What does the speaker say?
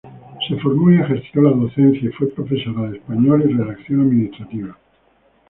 Se formó y ejerció la docencia y fue profesora de español y redacción administrativa.